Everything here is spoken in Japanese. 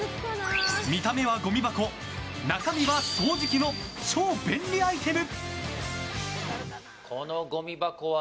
見た目はゴミ箱中身は掃除機の超便利アイテム。